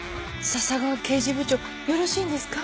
笹川刑事部長よろしいんですか？